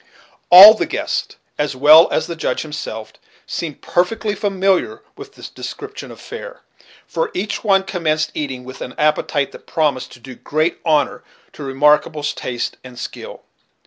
All the guests, as well as the Judge himself, seemed perfectly familiar with this description of fare, for each one commenced eating, with an appetite that promised to do great honor to Remarkable's taste and skill.